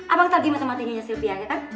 abang tadi mata matainya sylvia ya kan